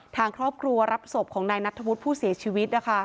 ทางครอบครัวรับศพของนายนัทธวุฒิผู้เสียชีวิต